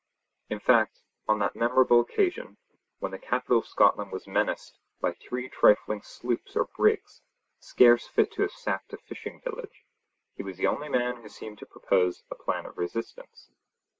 In fact, on that memorable occasion, when the capital of Scotland was menaced by three trifling sloops or brigs, scarce fit to have sacked a fishing village, he was the only man who seemed to propose a plan of resistance.